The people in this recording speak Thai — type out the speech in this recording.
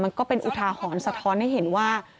ก็เป็นอุทาหรณ์สะท้อนให้เห็นว่า